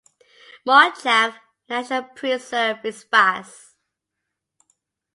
Mojave National Preserve is vast.